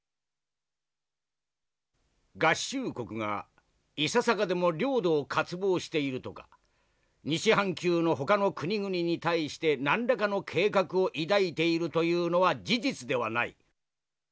「合衆国がいささかでも領土を渇望しているとか西半球のほかの国々に対して何らかの計画を抱いているというのは事実ではない。